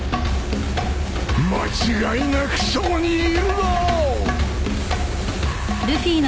間違いなくそこにいるぞ！